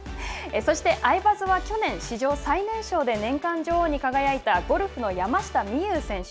そしてアイバズは去年史上最年少で年間女王に輝いたゴルフの山下美夢有選手。